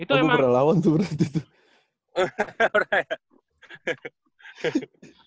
oh gue pernah lawan tuh berarti tuh